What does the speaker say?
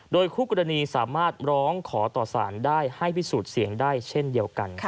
โดยคู่กรณีสามารถร้องขอต่อสารได้ให้พิสูจน์เสียงได้เช่นเดียวกัน